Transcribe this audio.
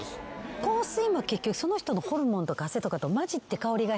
香水も結局その人のホルモンとか汗とかと混じって香りが変化するから。